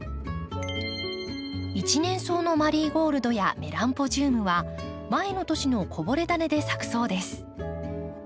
一年草のマリーゴールドやメランポジウムは前の年のこぼれダネで咲くそうです。